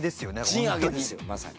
賃上げですよまさに。